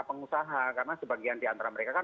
pengusaha karena sebagian diantara mereka kan